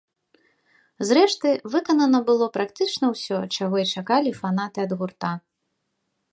Зрэшты, выканана было практычна ўсё, чаго і чакалі фанаты ад гурта.